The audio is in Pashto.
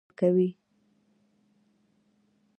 لویې کولمې څه کار کوي؟